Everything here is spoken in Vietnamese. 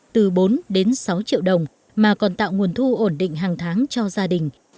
từ bốn đến sáu triệu đồng mà còn tạo nguồn thu ổn định hàng tháng cho gia đình